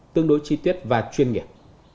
tương đối chi tiết và chuyên nghiệp